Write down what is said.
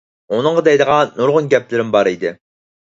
ئۇنىڭغا دەيدىغان نۇرغۇن گەپلىرىم بار ئىدى.